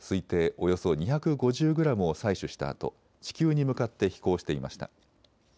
およそ２５０グラムを採取したあと地球に向かって飛行していました。